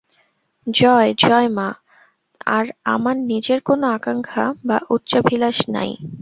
জয়, জয় মা! আর আমার নিজের কোন আকাঙ্ক্ষা বা উচ্চাভিলাষ নাই।